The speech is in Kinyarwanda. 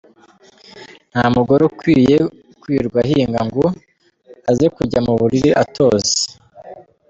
Nta mugore ukwiye kwirirwa ahinga ngo aze kujya mu buriri atoze.